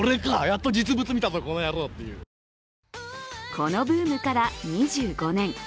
このブームから２５年。